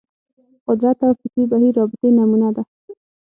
قدرت او فکري بهیر رابطې نمونه ده